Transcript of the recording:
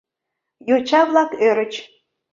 Йоча-влак ӧрыч.